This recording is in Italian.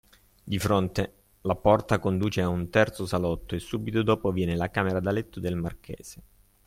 Di fronte, la porta conduce a un terzo salotto e subito dopo viene la camera da letto del marchese.